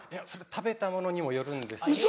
食べたものにもよるんですけど。